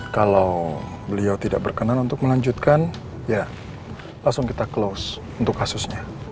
kalau beliau tidak berkenan untuk melanjutkan ya langsung kita close untuk kasusnya